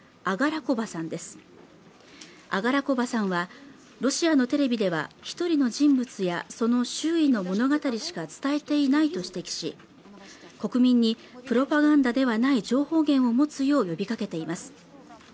アガラコバさんはロシアのテレビでは一人の人物やその周囲の物語しか伝えていないと指摘し国民にプロパガンダではない情報源を持つよう呼びかけています